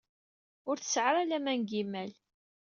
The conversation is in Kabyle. Ur tesɛi ara laman deg yimal.